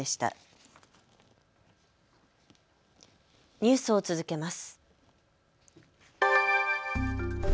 ニュースを続けます。